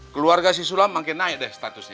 keluarga si sulam makin naik deh statusnya